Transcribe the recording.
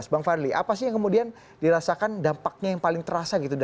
bang fadli apa sih yang kemudian dirasakan dampaknya yang paling terasa gitu